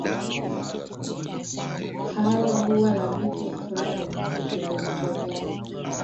Hawa huwa na vitu fulani kwenye vichwa vyao